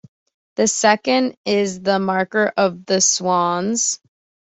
The second is the Marker of the Swans.